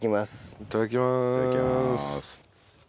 いただきまーす。